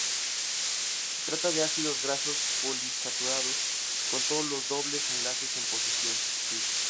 Se trata de ácidos grasos poliinsaturados con todos los dobles enlaces en posición "cis".